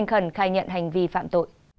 nhận hành vi phạm tội